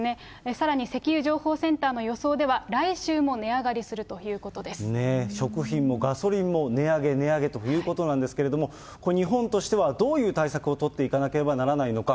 さらに石油情報センターの予想では、来週も値上がりするというこ食品もガソリンも値上げ、値上げということなんですけれども、日本としてはどういう対策を取っていかなければならないのか。